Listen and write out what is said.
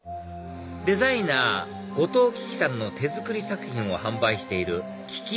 デザイナー後藤ききさんの手作り作品を販売している危機